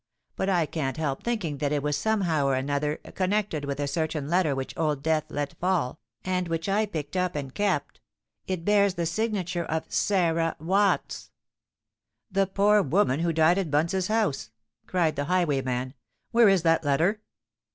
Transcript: But I can't help thinking that it was somehow or another connected with a certain letter which Old Death let fall, and which I picked up and kept. It bears the signature of Sarah Watts——" "The poor woman who died at Bunce's house!" cried the highwayman. "Where is that letter?"